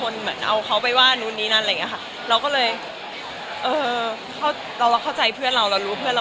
เราก็ไปทำมิตรลงไปมันไม่ใช่เรื่องของเรา